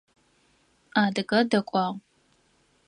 Адыгэ дакӏуагъ.